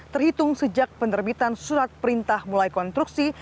terhitung sejak penerbitan surat perintah mulai konstruksi